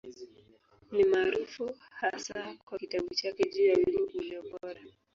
Ni maarufu hasa kwa kitabu chake juu ya Wimbo Ulio Bora.